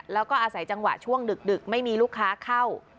แล้วก็อาศัยจังหวะช่วงดึกไม่มีลูกค้าเข้า